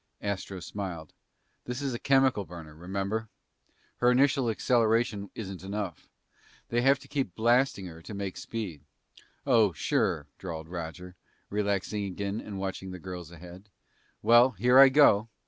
Astro smiled. "This is a chemical burner, remember? Her initial acceleration isn't enough. They have to keep blasting her to make speed." "Oh, sure," drawled Roger, relaxing again and watching the girls ahead. "Well, here I go!"